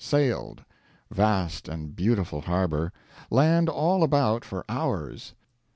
sailed. Vast and beautiful harbor. Land all about for hours.